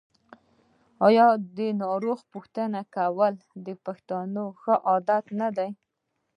آیا ناروغ پوښتنه کول د پښتنو ښه عادت نه دی؟